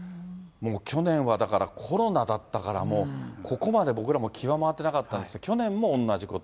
もう去年はだから、コロナだったから、もうここまで僕らも気が回ってなかったんですが、去年も同じこと。